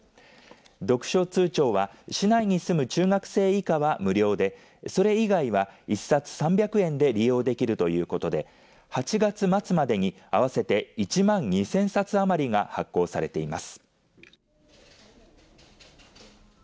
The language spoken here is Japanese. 読書通帳は市内に住む中学生以下は無料でそれ以外は一冊３００円で利用できるということで８月末までに合わせて１万２０００冊余りが発行されています。